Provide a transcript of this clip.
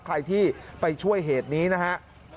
ใครที่ไปช่วยเหตุนี้นะฮะ